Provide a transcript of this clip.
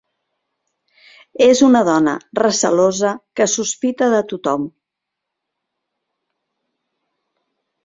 És una dona recelosa que sospita de tothom.